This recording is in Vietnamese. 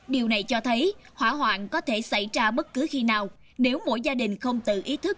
điều này cho thấy hỏa hoạn có thể xảy ra bất cứ khi nào nếu mỗi gia đình không tự ý thức